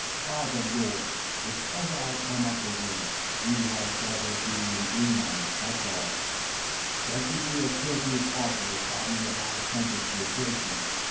By the Lord, if ever I come up with him, he had better be in Greenland, that's all. Thank you for your courteous offer of binding the lad apprentice to a tradesman.